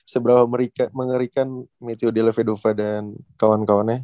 seberapa mengerikan meteo di levadova dan kawan kawannya